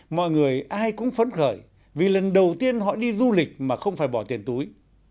mọi người ai cũng phấn khởi vì lần đầu tiên họ đi du lịch mà không phải bỏ tiền túi